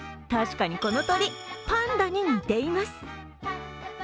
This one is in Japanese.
確かにこの鳥、パンダに似ています。